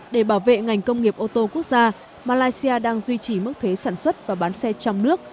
để bảo vệ ngành công nghiệp ô tô quốc gia malaysia đang duy trì mức thuế sản xuất và bán xe trong nước